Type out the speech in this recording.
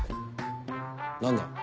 何だ？